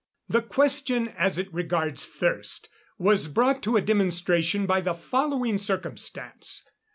The question, as it regards thirst, was brought to a demonstration by the following circumstance.